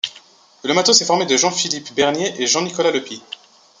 Le Matos est formé de Jean-Philippe Bernier et Jean-Nicolas Leupi.